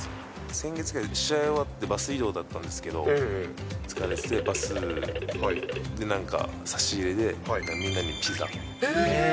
先月ぐらい、試合終わってバス移動だったんですけど、バスでなんか差し入れでみんなにピザを。